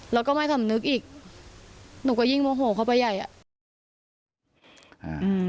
แล้วก็ไม่สำนึกอีกหนูก็ยิ่งโมโหเข้าไปใหญ่อ่ะอืม